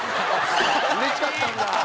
うれしかったんだ！